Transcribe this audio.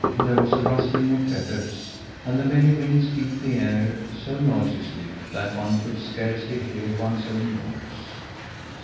There was a rustling of feathers and the many wings beat the air so noisily that one could scarcely hear one's own voice.